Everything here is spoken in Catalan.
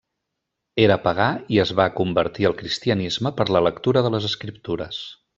Era pagà i es va convertir al cristianisme per la lectura de les Escriptures.